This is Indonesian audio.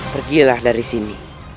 pergilah dari sini